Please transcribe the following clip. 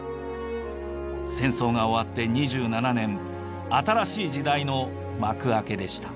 戦争が終わって２７年新しい時代の幕開けでした。